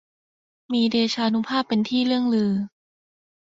มีเดชานุภาพเป็นที่เลื่องลือ